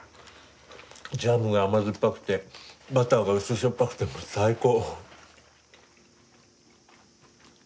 ジャムが甘酸っぱくてバターがうすしょっぱくて最高。